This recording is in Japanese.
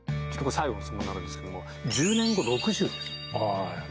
最後の質問になるんですけど１０年後、６０です。